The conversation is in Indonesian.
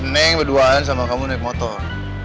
neng berduaan sama kamu naik motor